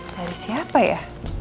dari siapa ya